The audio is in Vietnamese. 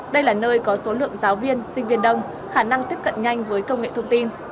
đây là nơi có số lượng giáo viên sinh viên đông khả năng tiếp cận nhanh với công nghệ thông tin